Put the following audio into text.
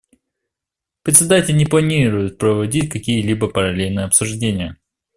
Председатель не планирует проводить какие-либо параллельные обсуждения.